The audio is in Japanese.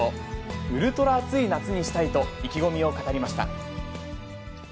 ウルトラ熱い夏にしたいと、意気込みを語りました。